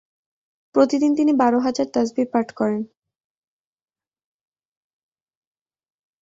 প্রতিদিন তিনি বার হাজার তাসবীহ পাঠ করেন।